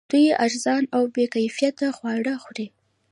دوی ارزان او بې کیفیته خواړه خوري